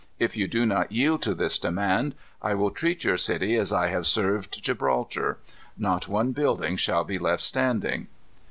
If you do not yield to this demand, I will treat your city as I have served Gibraltar. Not one building shall be left standing."